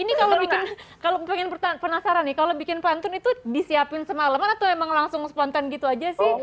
ini kalau pengen penasaran nih kalau bikin pantun itu disiapin semalaman atau emang langsung spontan gitu aja sih